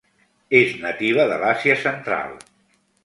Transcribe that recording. És nativa de l'Àsia central: